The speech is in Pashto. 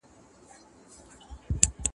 خلک ځغلي تر ملا تر زیارتونو.!